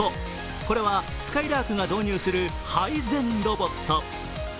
これは、すかいらーくが導入する配膳ロボット。